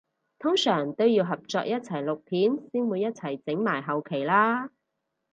通常都要合作一齊錄片先會一齊整埋後期啦？